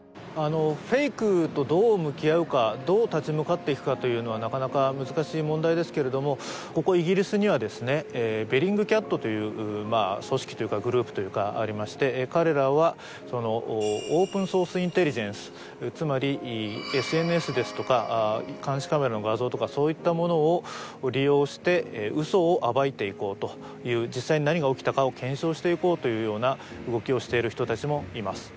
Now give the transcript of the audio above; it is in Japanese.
フェイクとどう向き合うかどう立ち向かっていくかというのはなかなか難しい問題ですけれどもここイギリスにはですねベリングキャットという組織というかグループというかありまして彼らはそのオープン・ソース・インテリジェンスつまりＳＮＳですとか監視カメラの画像とかそういったものを利用して嘘を暴いていこうという実際に何が起きたかを検証していこうというような動きをしている人たちもいます